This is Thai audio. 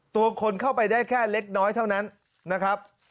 ตัวคนเข้าไปได้แค่เล็กน้อยเท่านั้นนะครับ